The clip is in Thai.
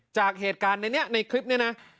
จากเหตุการณ์ในนี้ในคลิปนี้นะ